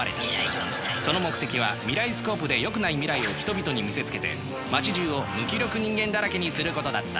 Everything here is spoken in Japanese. その目的は未来スコープでよくない未来を人々に見せつけて街じゅうを無気力人間だらけにすることだった。